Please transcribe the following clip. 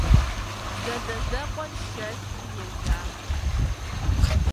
Задэзэкъуэр шэсри ежьахэщ.